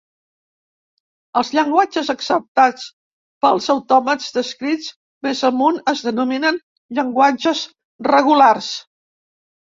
Els llenguatges acceptats pels autòmats descrits més amunt es denominen llenguatges regulars.